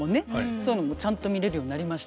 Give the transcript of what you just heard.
そういうのもちゃんと見れるようになりました。